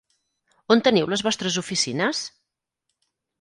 On teniu les vostres oficines?